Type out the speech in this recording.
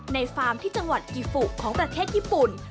ฟาร์มที่จังหวัดกิฟุของประเทศญี่ปุ่น